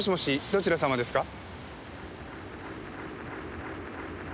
どちら様ですか？